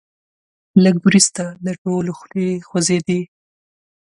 لږ وروسته د ټولو خولې خوځېدې.